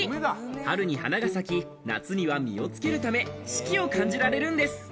春に花が咲き、夏には実をつけるため、四季を感じられるんです。